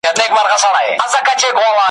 چي هم نن په وینو لژند هم سبا په وینو سور دی ,